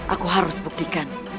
aku harus buktikan